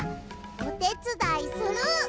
おてつだいする。